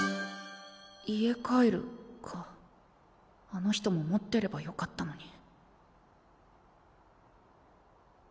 あの人も持ってればよかったのに。